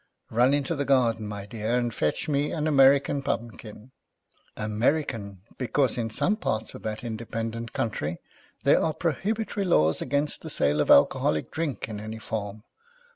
Run into the garden, my dear, and fetch me an American Pumpkin ! American, because in some parts of that independent country, there are prohibitory laws against the sale of alcoholic drinks in any form.